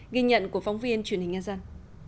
ghi nhận của phóng viên truyền hình nghe dân